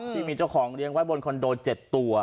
ที่มีเจ้าของเลี้ยงไว้บนคอนโด๗ตัว